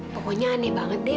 pokoknya aneh banget deh